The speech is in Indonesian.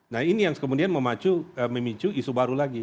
nah ini yang kemudian memicu isu baru lagi